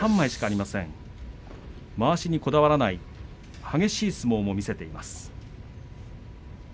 まわしにこだわらない激しい相撲を見せています。